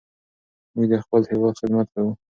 موږ د خپل هېواد خدمت کوو.